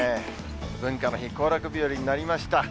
文化の日、行楽日和になりました。